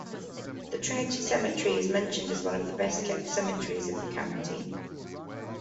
The Trinity Cemetery is mentioned as one of the best-kept cemeteries in the county.